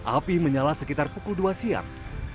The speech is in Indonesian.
api menyala sekitar pukul dua siang